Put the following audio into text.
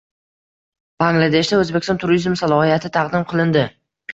Bangladeshda O‘zbekiston turizm salohiyati taqdim qilindi